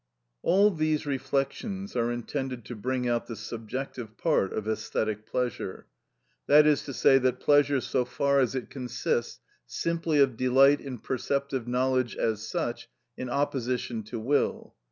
All these reflections are intended to bring out the subjective part of æsthetic pleasure; that is to say, that pleasure so far as it consists simply of delight in perceptive knowledge as such, in opposition to will.